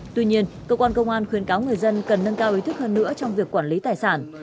tuy nhiên cơ quan công an khuyến cáo người dân cần nâng cao ý thức hơn nữa trong việc quản lý tài sản